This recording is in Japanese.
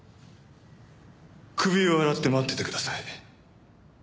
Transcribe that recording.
首を洗って待っててください。